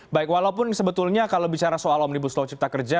baik walaupun sebetulnya kalau bicara soal omnibus law cipta kerja